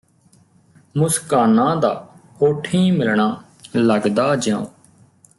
ਮੁਸਕਾਨਾਂ ਦਾ ਹੋਠੀਂ ਮਿਲਣਾ ਲੱਗਦਾ ਜਿਉ